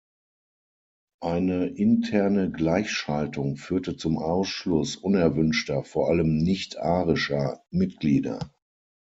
Eine interne Gleichschaltung führte zum Ausschluss unerwünschter, vor allem „nichtarischer“ Mitglieder.